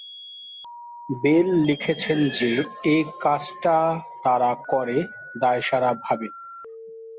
Bell লিখেছেন যে এ কাজটা তারা করে দায়সারাভাবে।